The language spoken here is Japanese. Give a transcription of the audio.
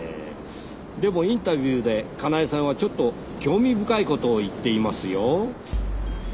でもインタビューでかなえさんはちょっと興味深い事を言っていますよ。